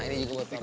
ini juga buat pak